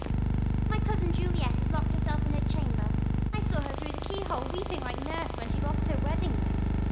My cousin Juliet has lockt herself in Her chamber, I saw her through the keyhole, Weeping like nurse when she lost her wedding ring.